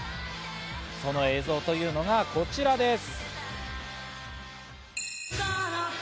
その映像というのがこちらです。